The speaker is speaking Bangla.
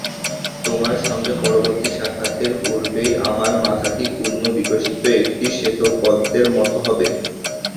তোমার সঙ্গে পরবর্তী সাক্ষাতের পূর্বেই আমার মাথাটি পূর্ণ-বিকশিত একটি শ্বেত পদ্মের মত হবে।